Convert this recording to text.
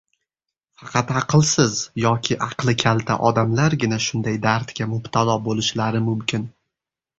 faqat aqlsiz yoki aqli kalta odamlargina shunday dardga mubtalo bo‘lishlari mumkin.